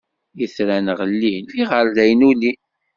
Itran ɣlin, iɣerdayen ulin.